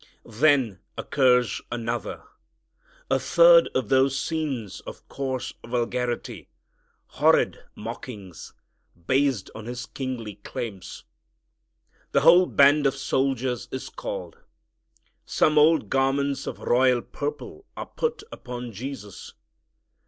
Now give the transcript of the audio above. Then occurs another, a third of those scenes of coarse vulgarity, horrid mockings, based on His kingly claims. The whole band of soldiers is called. Some old garments of royal purple are put upon Jesus.